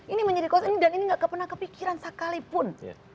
ini menjadi konsen dan ini gak pernah kepikiran sekalipun